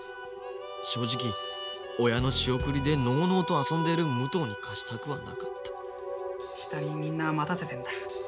正直親の仕送りでのうのうと遊んでいる武藤に貸したくはなかった下にみんな待たせてんだ。